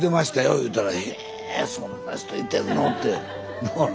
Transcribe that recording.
言うたら「えそんな人いてんの」って。